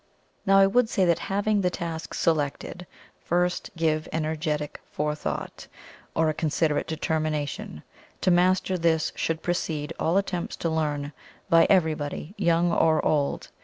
Now I would say that having the task selected, first give energetic forethought, or a considerate determination to master this should precede all attempts to learn, by everybody, young or old.